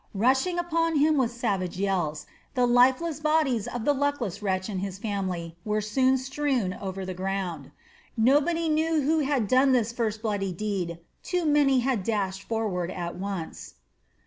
Rushing upon him with savage yells, the lifeless bodies of the luckless wretch and his family were soon strewn over the ground. Nobody knew who had done this first bloody deed; too many had dashed forward at once.